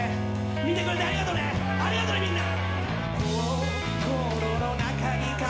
見てくれてありがとねありがとね、みんな！